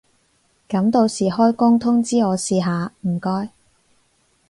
噉到時開工通知我試下唔該